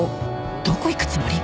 どこ行くつもり？